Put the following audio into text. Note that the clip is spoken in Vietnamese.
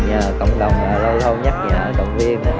nhờ cộng đồng là lâu lâu nhắc nhở cộng viên là ráng lên ráng lên